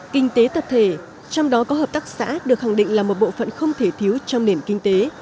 kinh tế tập thể trong đó có hợp tác xã được khẳng định là một bộ phận không thể thiếu trong nền kinh tế